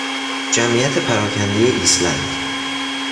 جمعیت پراکنده ایسلند